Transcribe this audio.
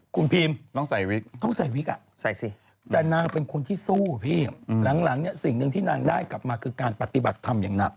คุณพิมต้องใส่วิกต้องใส่วิกอ่ะใส่สิแต่นางเป็นคนที่สู้พี่หลังเนี่ยสิ่งหนึ่งที่นางได้กลับมาคือการปฏิบัติธรรมอย่างหนัก